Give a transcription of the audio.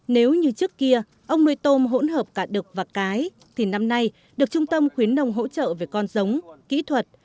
nếu như trước kia ông nuôi tôm hỗn hợp cả đực và cái thì năm nay được trung tâm khuyến nông hỗ trợ về con giống kỹ thuật